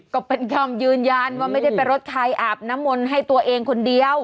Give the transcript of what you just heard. ก็เป็นคำยืนยันว่าไม่ได้ไปรถใครอาบน้ำมนต์ให้ตัวเองคนเดียว